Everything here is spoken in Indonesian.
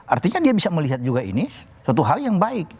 artinya dia bisa melihat juga ini suatu hal yang baik